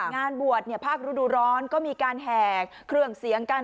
งานบวชภาคฤดูร้อนก็มีการแห่เครื่องเสียงกัน